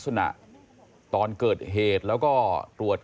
ที่บอกไปอีกเรื่อยเนี่ย